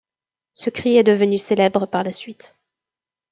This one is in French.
Ce cri est devenu célèbre par la suite.